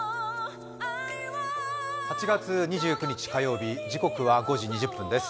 ８月２９日火曜日、時刻は５時２０分です。